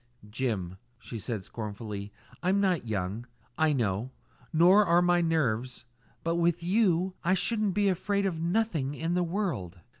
"Jim," she said scornfully, "I'm not young, I know, nor are my nerves; but with you I should be afraid of nothing in the world!"